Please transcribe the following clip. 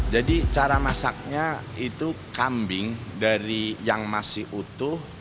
jadi cara masaknya itu kambing dari yang masih utuh